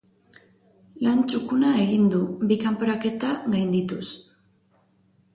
Lan txukuna egin du, bi kanporaketa gaindituz.